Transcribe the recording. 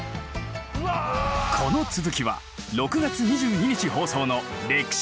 この続きは６月２２日放送の「歴史探偵」で。